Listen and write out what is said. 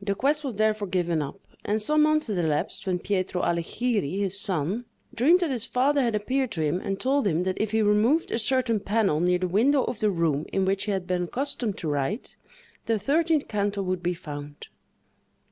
The quest was therefore given up, and some months had elapsed, when Pietro Allighieri, his son, dreamed that his father had appeared to him and told him that if he removed a certain panel near the window of the room in which he had been accustomed to write, the thirteenth canto would be found.